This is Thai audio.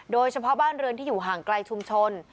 โดยเฉพาะบ้านเรือนที่อยู่ห่างไกลชุมชน